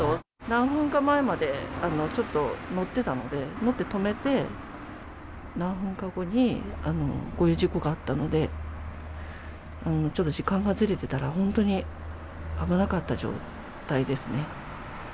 何分か前まで、ちょっと乗ってたので、乗って止めて、何分か後に、こういう事故があったので、ちょっと時間がずれてたら、本当に危なかった状態ですね。